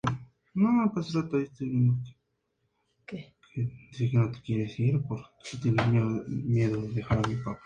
El comienzo de la Guerra Civil le sorprendió en Madrid.